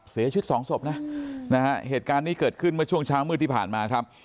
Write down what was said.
เสียชีวิตสองศพนะนะฮะเหตุการณ์นี้เกิดขึ้นเมื่อช่วงเช้ามืดที่ผ่านมาครับ